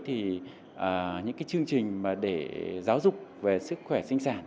thì những cái chương trình để giáo dục về sức khỏe sinh sản